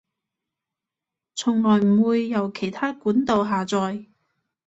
從來唔會由其它管道下載